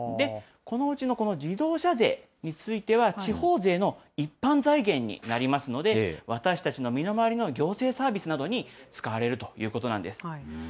このうちのこの自動車税については、地方税の一般財源になりますので、私たちの身の回りの行政サービスなどに使われるということなんです。